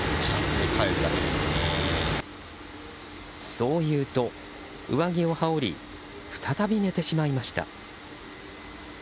そう言うと、上着を羽織り再び寝てしまいました。